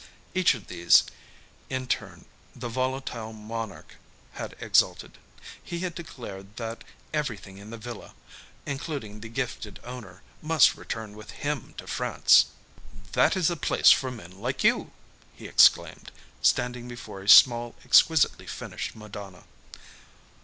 Each of these, in turn, the volatile monarch had exalted. He had declared that everything in the villa, including the gifted owner, must return with him to France. "That is the place for men like you!" he exclaimed, standing before a small, exquisitely finished Madonna.